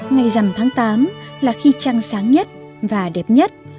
ngày dằm tháng tám là khi trăng sáng nhất và đẹp nhất